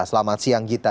selamat siang gita